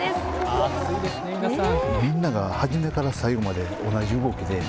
熱いですね、皆さん。